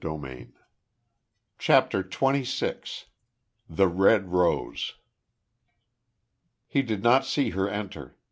CHAPTER TWENTY SIX. THE RED ROSE. He did not see her enter.